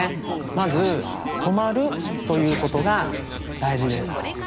まず「とまる」ということがだいじです。